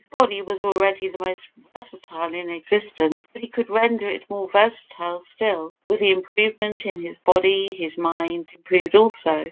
His body was already the most versatile in existence, but he could render it more versatile still. With the improvement in his body his mind improved also.